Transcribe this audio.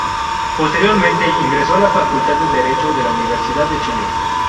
Posteriormente, ingresó a la Facultad de Derecho de la Universidad de Chile.